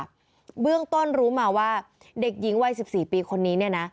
เบื้องต้นรู้มาว่าเด็กยิงวัย๑๔ปีคนนี้